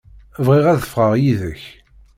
Bɣiɣ ad ffɣeɣ yid-k.